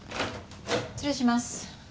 失礼します。